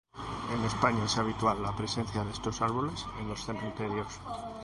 En España es habitual la presencia de estos árboles en los cementerios.